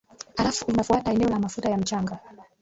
halafu inafuata eneo la matuta ya mchanga